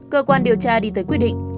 cơ quan điều tra đi tới quyết định